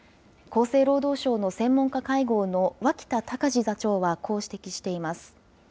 厚生労働省の専門家会合の脇田隆字座長はこう指摘しています。